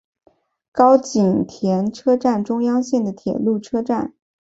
高井田车站中央线的铁路车站。